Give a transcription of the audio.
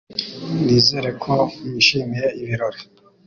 Nizere ko mwishimiye ibirori.